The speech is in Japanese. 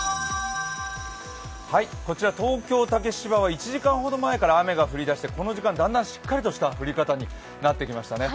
こちら東京竹芝は１時間ほど前から雨が降り出してこの時間、だんだんしっかりとした降り方になってきましたね。